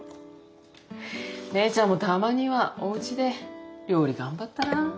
芽依ちゃんもたまにはおうちで料理頑張ったら？